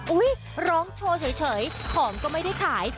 ร้องโชว์เฉยของก็ไม่ได้ขาย